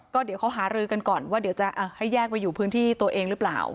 ก็เดี๋ยวเขาหารือกันก่อนว่าเดี๋ยวจะให้แยกไปอยู่พื้นที่ตัวเองหรือเปล่า